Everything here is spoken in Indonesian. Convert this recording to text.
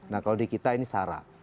nah kalau di kita ini sara